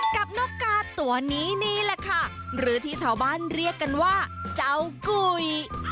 นกกาตัวนี้นี่แหละค่ะหรือที่ชาวบ้านเรียกกันว่าเจ้ากุย